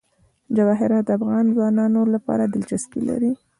جواهرات د افغان ځوانانو لپاره دلچسپي لري.